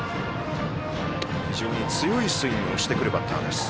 非常に強いスイングをしてくるバッターです。